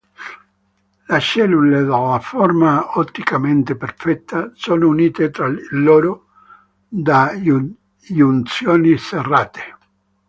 Le cellule, dalla forma otticamente perfetta, sono unite tra loro da giunzioni serrate.